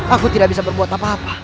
aku tidak bisa berbuat apa apa